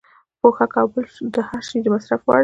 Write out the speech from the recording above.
پوښاک او بل هر شی د مصرف وړ دی.